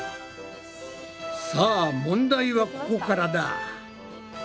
さあ問題はここからだ。